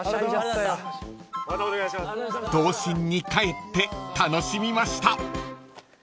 ［童心に帰って楽しみました］